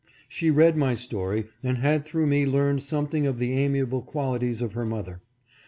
She had read my story and had through me learned something of the amiable qualities of her mother.